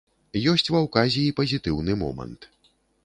Ёсць ва ўказе і пазітыўны момант.